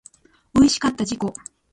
おいしかった自己